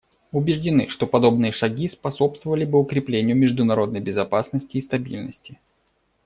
Убеждены, что подобные шаги способствовали бы укреплению международной безопасности и стабильности.